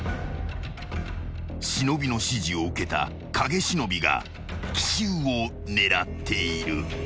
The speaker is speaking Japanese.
［忍の指示を受けた影忍が奇襲を狙っている］